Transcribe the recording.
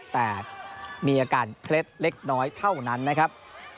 แต่มีอาการเคล็ดเล็กน้อยเท่านั้นนะครับ